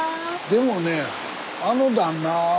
でもねあの旦那